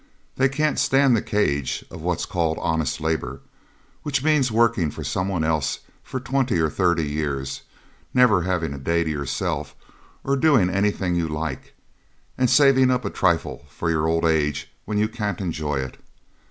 They can't stand the cage of what's called honest labour, which means working for some one else for twenty or thirty years, never having a day to yourself, or doing anything you like, and saving up a trifle for your old age when you can't enjoy it.